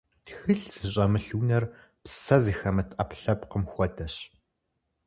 Тхылъ зыщӏэмылъ унэр псэ зыхэмыт ӏэпкълъэпкъым хуэдэщ.